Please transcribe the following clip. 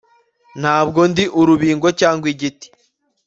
Ntabwo ndi urubingo cyangwa igiti